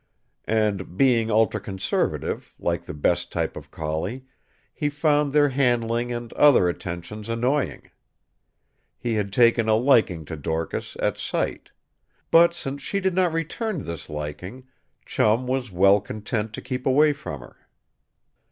And being ultraconservative, like the best type of collie he found their handling and other attentions annoying. He had taken a liking to Dorcas, at sight. But since she did not return this liking Chum was well content to keep away from her.